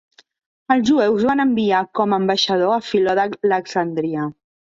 Els jueus van enviar com ambaixador a Filó d'Alexandria.